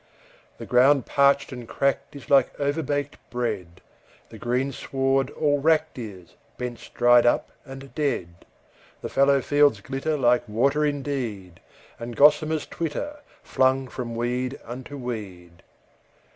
The ground parched and cracked is like overbaked bread, The greensward all wracked is, bents dried up and dead. The fallow fields glitter like water indeed, And gossamers twitter, flung from weed unto weed.